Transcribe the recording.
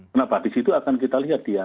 kenapa di situ akan kita lihat dia